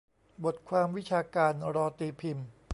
บทความวิชาการรอตีพิมพ์